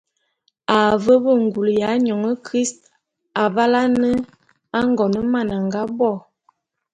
A ve fe be ngule ya nyôn christ avale ane Angoneman a nga bo.